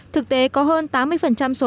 thực tế có hơn tám mươi số